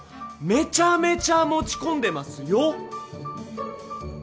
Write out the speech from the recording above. めちゃめちゃ持ち込んでますよ？